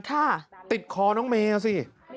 ติดคอน้องเมฆเอาสิ